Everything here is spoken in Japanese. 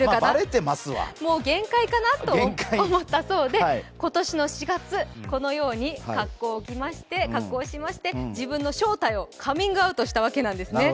もう限界かなと思ったそうで今年の４月、このように格好をしまして自分の正体をカミングアウトしたわけですね。